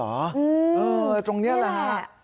โอ้ตรงเนี่ยแหละ